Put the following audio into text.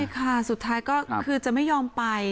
ใช่ค่ะสุดท้ายก็คือจะไม่ยอมไป